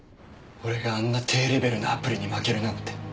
俺があんな低レベルなアプリに負けるなんて。